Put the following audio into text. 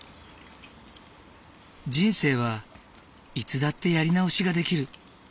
人生はいつだってやり直しができる。